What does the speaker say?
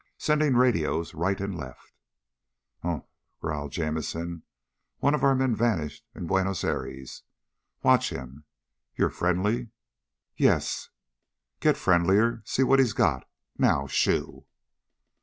Sending radios right and left." "Umph," growled Jamison. "One of our men vanished in Buenos Aires. Watch him. You're friendly?" "Yes." "Get friendlier. See what he's got. Now shoo."